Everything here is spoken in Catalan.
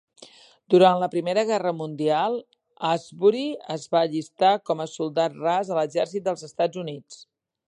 Durant la Primera Guerra Mundial, Asbury es va allistar com a soldat ras a l'exèrcit dels Estats Units.